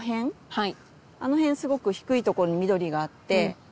はい。